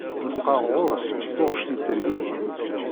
Neṭqeɣ ɣer-s s taɣect yettergigin.